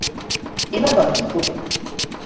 এবার বলো কী করবে?